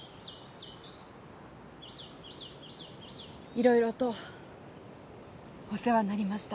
いろいろとお世話になりました。